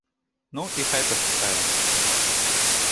Ну і хай пачакае.